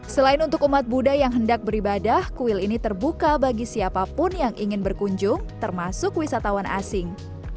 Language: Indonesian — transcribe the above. selain untuk umat buddha yang hendak beribadah kuil ini terbuka bagi siapapun yang ingin berkunjung termasuk wisatawan asing